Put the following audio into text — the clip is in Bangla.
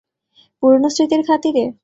পুরনো স্মৃতির খাতিরে?